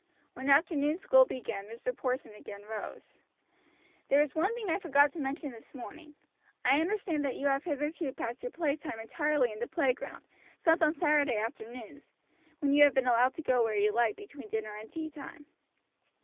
When afternoon school began Mr. Porson again rose. "There is one thing I forgot to mention this morning. I understand that you have hitherto passed your play time entirely in the playground, except on Saturday afternoons, when you have been allowed to go where you like between dinner and tea time.